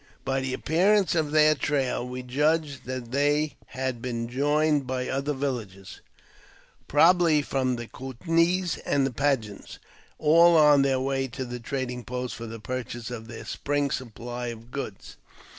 By the appearance of their trail we judged that they had been joined by other villages, probably from the Coutnees and Pa gans, all on their way to the trading post for the purchase of their spring supply of goods.